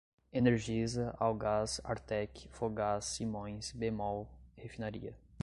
Energisa, Algás, Artek, Fogás, Simões, Bemol, Refinaria